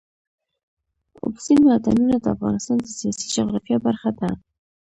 اوبزین معدنونه د افغانستان د سیاسي جغرافیه برخه ده.